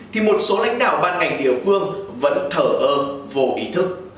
thì một số lãnh đạo ban ngành địa phương vẫn thở ơ vô ý thức